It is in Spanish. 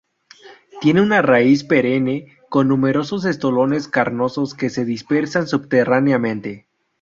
Tiene una raíz perenne con numerosos estolones carnosos que se dispersan subterráneamente.